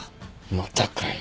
またかよ。